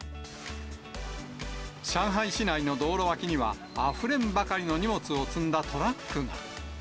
上海市内の道路脇には、あふれんばかりの荷物を積んだトラックが。